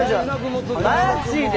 マジで？